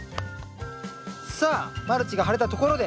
さあマルチが張れたところで。